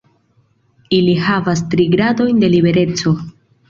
Ili havas tri gradojn de libereco.